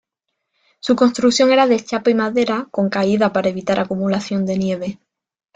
Su construcción era de chapa y madera con caída para evitar acumulación de nieve.